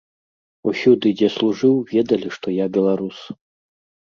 Усюды, дзе служыў, ведалі, што я беларус.